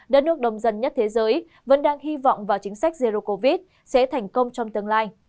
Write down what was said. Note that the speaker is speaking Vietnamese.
đất nước đông dân nhất thế giới vẫn đang hy vọng vào chính sách zero covid sẽ thành công trong tương lai